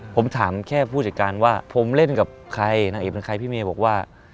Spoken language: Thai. ผมถามแค่ผู้จัดการว่าผมเล่นกับใครนางเอกเป็นใครพี่เมย์บอกว่า